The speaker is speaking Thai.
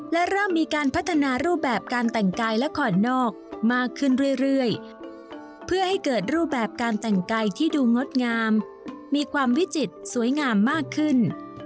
และเริ่มมีการพัฒนารูปแบบการแต่งกายละครนอกมากขึ้นเรื่อยเพื่อให้เกิดรูปแบบการแต่งกายที่ดูงดงามมีความวิจิตรสวยงามมากขึ้น